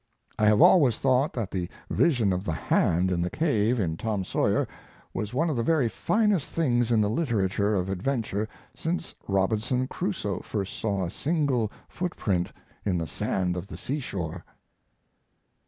I have always thought that the vision of the hand in the cave in Tom Sawyer was one of the very finest things in the literature of adventure since Robinson Crusoe first saw a single footprint in the sand of the sea shore.